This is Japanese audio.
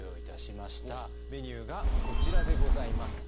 メニューがこちらでございます。